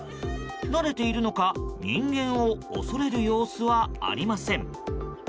慣れているのか人間を恐れる様子はありません。